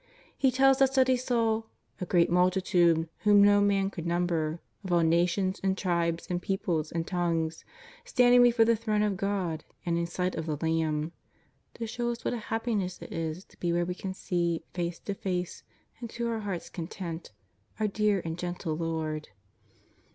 He tells us that he saw ^' a great multitude whom no man could number, of all nations and tribes and peoples and tongues, stand ing before the Throne of God and in sight of the Lamb,'' to show us what a happiness it is to be where we can see face to face and to our heart's content our dear and gentle Lord.